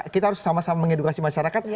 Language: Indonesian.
kita harus sama sama mengedukasi masyarakat